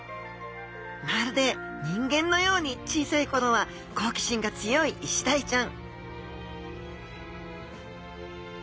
まるで人間のように小さいころは好奇心が強いイシダイちゃん